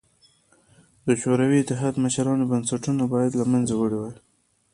د شوروي اتحاد مشرانو بنسټونه باید له منځه وړي وای